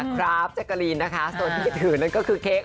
ครับแจ๊กกะลีนนะคะส่วนที่ถือนั่นก็คือเค้ก